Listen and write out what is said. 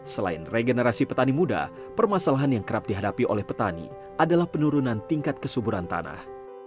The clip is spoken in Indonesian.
selain regenerasi petani muda permasalahan yang kerap dihadapi oleh petani adalah penurunan tingkat kesuburan tanah